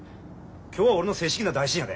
今日は俺の正式な代診やで。